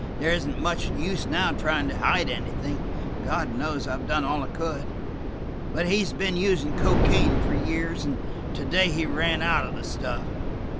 "There isn't much use now trying to hide anything; God knows I've done all I could. But he has been using cocaine for years, and to day he ran out of the stuff.